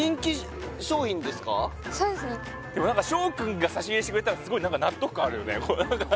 そうですねでも翔くんが差し入れしてくれたらすごい納得感あるよね